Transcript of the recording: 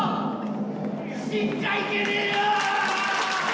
死んじゃいけねえよ！」